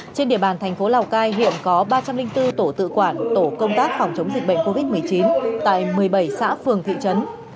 trên địa bàn thành phố lào cai hiện có ba trăm linh bốn tổ tự quản tổ công tác phòng chống dịch bệnh covid một mươi chín tại một mươi bảy xã phường thị trấn